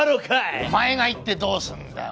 お前が言ってどうすんだよ！